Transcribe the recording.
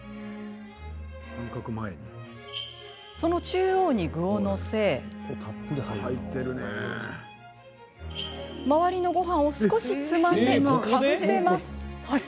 その中央に具を載せ周りのごはんを少しつまんでかぶせます。